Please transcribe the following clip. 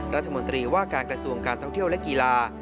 รัฐมนตรีว่าการกระทรวงการท่องเที่ยวและกีฬา